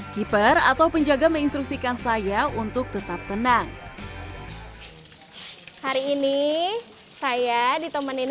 keeper atau penjaga menginstruksikan saya untuk tetap tenang hari ini saya ditemenin